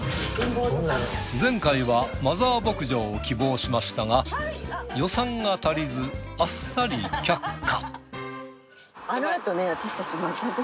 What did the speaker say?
前回はマザー牧場を希望しましたが予算が足りずあっさり却下。